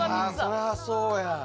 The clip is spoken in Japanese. そりゃそうや。